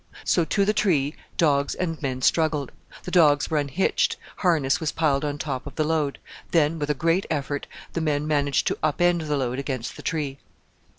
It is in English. So to the tree dogs and men struggled; the dogs were unhitched, harness was piled on top of the load. Then, with a great effort, the men managed to up end the load against the tree.